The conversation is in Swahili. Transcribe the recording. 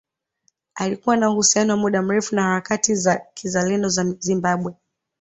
Alikuwa na uhusiano wa muda mrefu na harakati za kizalendo za Zimbabwe